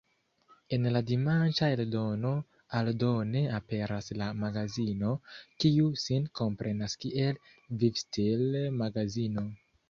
En la dimanĉa eldono aldone aperas la "Magazino", kiu sin komprenas kiel vivstil-magazino.